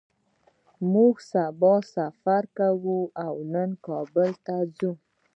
موږ سبا سفر کوو او کابل ته ځو